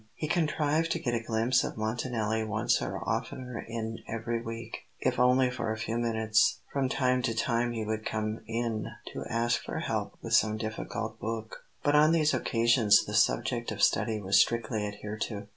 He contrived to get a glimpse of Montanelli once or oftener in every week, if only for a few minutes. From time to time he would come in to ask for help with some difficult book; but on these occasions the subject of study was strictly adhered to.